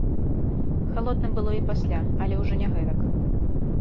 Халодна было і пасля, але ўжо не гэтак.